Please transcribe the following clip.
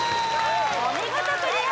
お見事クリア